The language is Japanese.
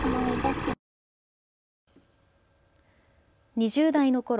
２０代のころ